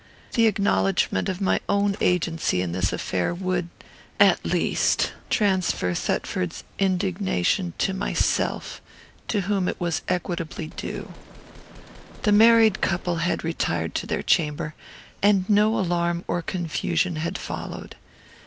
The acknowledgment of my own agency in this affair would, at least, transfer Thetford's indignation to myself, to whom it was equitably due. "The married couple had retired to their chamber, and no alarm or confusion had followed.